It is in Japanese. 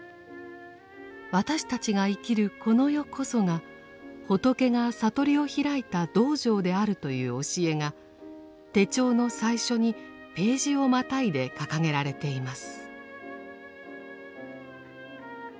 私たちが生きるこの世こそが仏が悟りを開いた道場であるという教えが手帳の最初にページをまたいで掲げられています。